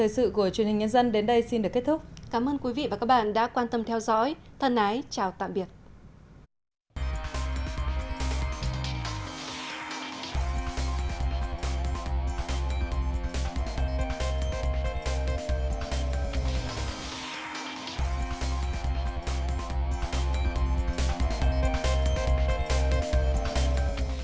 xin chào tạm biệt